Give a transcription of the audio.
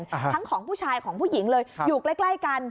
ทั้งของผู้ชายของผู้หญิงเลยอยู่ใกล้ใกล้กัน